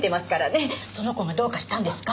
その子がどうかしたんですか？